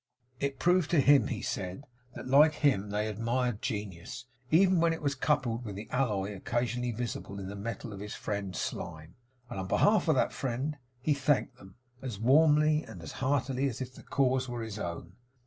It proved to him, he said, that like him they admired genius, even when it was coupled with the alloy occasionally visible in the metal of his friend Slyme; and on behalf of that friend, he thanked them; as warmly and heartily as if the cause were his own.